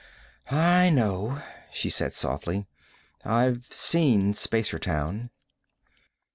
"I know," she said softly. "I've seen Spacertown."